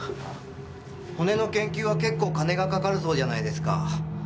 骨の研究は結構金がかかるそうじゃないですか。